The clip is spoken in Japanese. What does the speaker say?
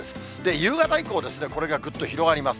夕方以降、これがぐっと広がります。